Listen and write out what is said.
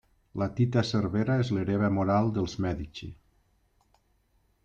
La Tita Cervera és l'hereva moral dels Medici.